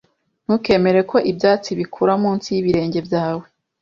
Ntukemere ko ibyatsi bikura munsi y'ibirenge byawe.